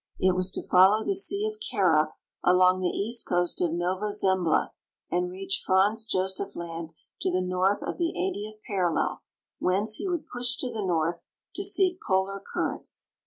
It was to follow the sea of Kara along the east Coast of Nova Zembla and reach Franz Josef Land to the north of the 80th parallel, whence he would push to the north to seek polar currents.